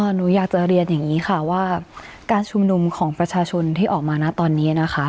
หนูอยากจะเรียนอย่างนี้ค่ะว่าการชุมนุมของประชาชนที่ออกมานะตอนนี้นะคะ